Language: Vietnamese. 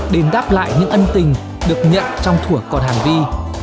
đền đáp lại những ân tình được nhận trong thủa còn hàng vi